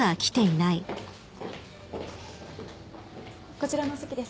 こちらのお席です。